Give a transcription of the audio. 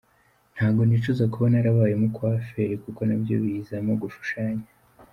Ntago nicuza kuba narabaye umu-coiffeur kuko nabyo bizamo gushushanya.